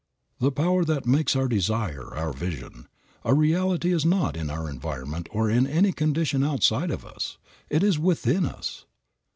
The power that makes our desire, our vision, a reality is not in our environment or in any condition outside of us; it is within us.